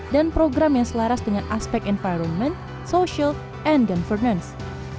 dan program yang selaras dengan aspek environment social and governance